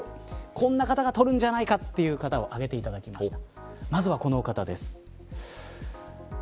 こんな方が取るんじゃないかという方を挙げていただきました。